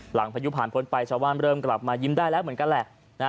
พายุผ่านพ้นไปชาวบ้านเริ่มกลับมายิ้มได้แล้วเหมือนกันแหละ